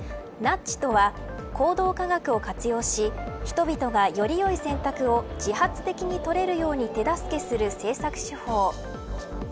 ナッジとは行動科学などを活用し人々がよりよい選択を自発的に取れるように手助けする政策手法。